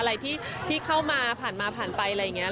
อะไรที่เข้ามาผ่านมาผ่านไปอะไรอย่างนี้